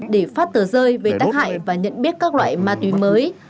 để phát tờ rơi về tác hại và nhận biết các loại ma túy mới